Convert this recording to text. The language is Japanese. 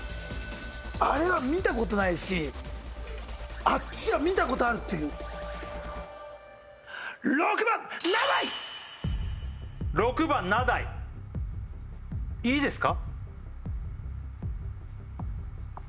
あれは見たことないしあっちは見たことあるっていう６番名代６番名代ですよね